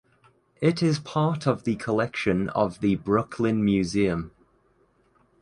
It is part of the collection of the Brooklyn Museum.